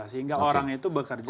sehingga orang itu bekerja